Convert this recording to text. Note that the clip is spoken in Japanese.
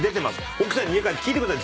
奥さんに家帰って聞いてください。